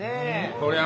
こりゃあ